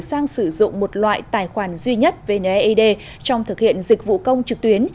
sang sử dụng một loại tài khoản duy nhất vnaid trong thực hiện dịch vụ công trực tuyến